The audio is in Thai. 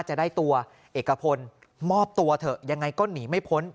จะได้ตัวเอกพลมอบตัวเถอะยังไงก็หนีไม่พ้น